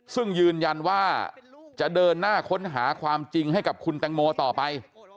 ซึ่งยืนยันว่าจะเดินหน้าค้นหาความจริงให้กับคุณแตงโมต่อไป